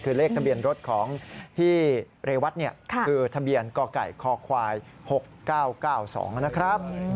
คือเลขทะเบียนรถของพี่เรวัตเนี่ยคือทะเบียนกไก่คควาย๖๙๙๒นะครับ